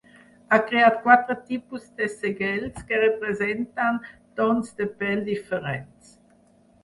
Ha creat quatre tipus de segells que representen tons de pell diferents.